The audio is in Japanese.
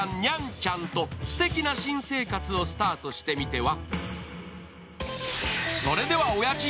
ちゃんとすてきな新生活をスタートしてみては？